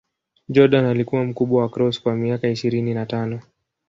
Jordan alikuwa mkubwa wa Cross kwa miaka ishirini na tano.